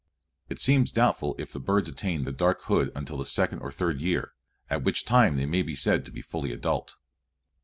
It seems doubtful if the birds attain the dark hood until the second or third year, at which time they may be said to be fully adult.